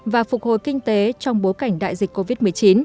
và phục hồi kinh tế trong bối cảnh đại dịch covid một mươi chín